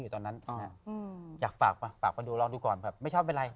ตอนนั้นอยากฝากมาดูลองดูก่อนแบบไม่ชอบเป็นไร